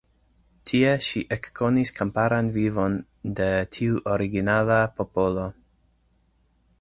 Tie ŝi ekkonis kamparan vivon de tiu originala popolo.